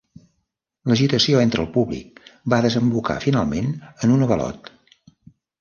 L'agitació entre el públic va desembocar finalment en un avalot.